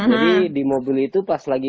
jadi di mobil itu pas lagi